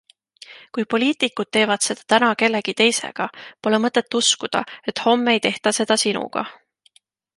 Kui poliitikud teevad seda täna kellegi teisega, pole mõtet uskuda, et homme ei tehta seda sinuga.